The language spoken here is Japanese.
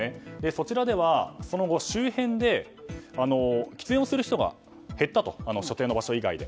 そちらでは、その後周辺で喫煙をする人が減ったと所定の場所以外で。